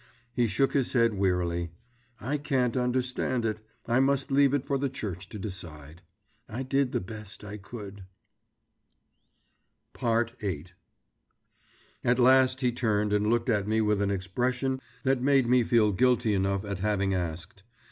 He shook his head wearily. "I can't understand it. I must leave it for the church to decide. I did the best I could...." VIII At last he turned and looked at me with an expression that made me feel guilty enough at having asked.